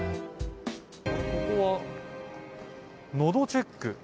ここは、のどチェック。